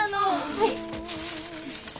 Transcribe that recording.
はい。